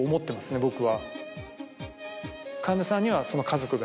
僕は。